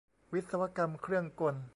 วิศวกรรมเครื่องกล